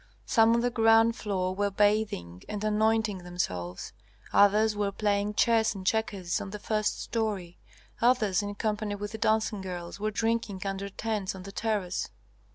Some on the ground floor were bathing and anointing themselves, others were playing chess and checkers on the first story, others in company with dancing girls were drinking under tents on the terrace.